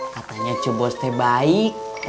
katanya cu bos teh baiknya